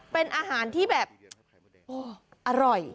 เป็นอาหารที่แบบอร่อย